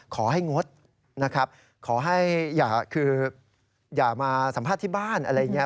ขอให้งดนะครับขอให้อย่ามาสัมภาษณ์ที่บ้านอะไรอย่างนี้